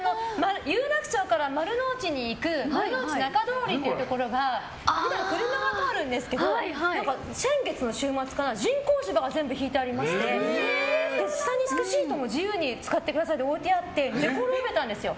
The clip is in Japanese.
有楽町から丸の内に行く丸の内中通りっていうところが普段、車が通るんですけど先月の週末、人工芝が全部敷いてありまして下に敷くシートも自由に使ってくださいって置いてあって寝転がれたんですよ。